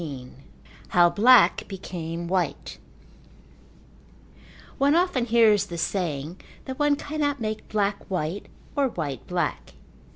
XV How Black Became White One often hears the saying that one cannot make black white or white black.